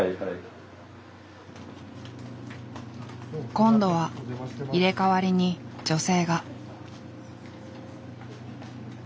今度は入れ代わりに女性が。